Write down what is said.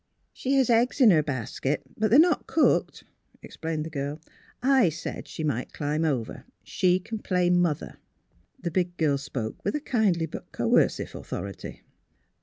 '' She has eggs in her basket, but they are not cooked," explained the girl. " I said she might climb over. She can play mother." The big girl spoke with a kindly but coercive authority.